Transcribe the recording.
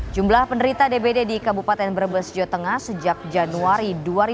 jumlah penderita dbd di kabupaten brebes jawa tengah sejak januari dua ribu dua puluh